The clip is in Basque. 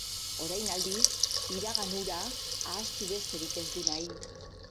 Orain aldiz, iragan hura ahaztu besterik ez du nahi.